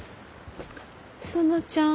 園ちゃん？